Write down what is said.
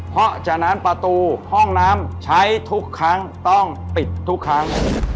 เพราะฉะนั้นประตูห้องน้ำใช้ทุกครั้งต้องปิดทุกครั้ง